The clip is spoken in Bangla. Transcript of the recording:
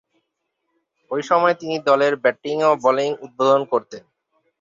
ঐ সময়ে তিনি দলের ব্যাটিং ও বোলিং উদ্বোধন করতেন।